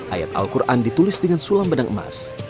ayat al quran ditulis dengan sulam benang emas